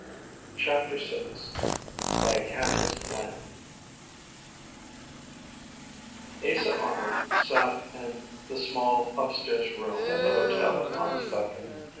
CHAPTER VI BY A CANDLE'S FLAME Asa Arnold sat in the small upstairs room at the hotel of Hans Becher.